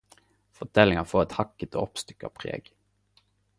Forteljinga får eit hakkete og oppstykka preg.